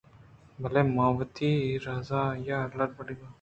بلئے من وتی رضاءَ آئی ءَ را دلبڈّی داتگ اَت